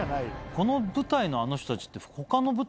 この部隊のあの人たちって。